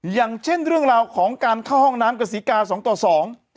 อย่างเช่นเรื่องราวของการเข้าห้องน้ำกศรีกาสองต่อสอง